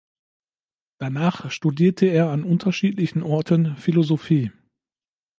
Danach studierte er an unterschiedlichen Orten Philosophie.